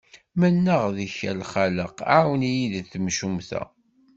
Mennaɣ deg-k a lxaleq, ɛawen-iyi di temcumt-a.